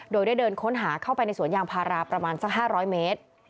โดยได้เดินค้นหาเข้าไปในสวนยางพาราประมาณสัก๕๐๐เมตร